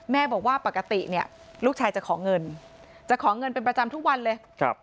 แม่บอกว่าปกติเนี่ยลูกชายจะขอเงินจะขอเงินเป็นประจำทุกวันเลย